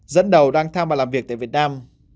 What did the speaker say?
dẫn đầu đăng tham và làm việc tại việt nam